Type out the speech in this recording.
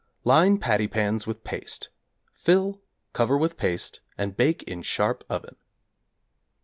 Line patty pans with paste; fill, cover with paste and bake in sharp oven.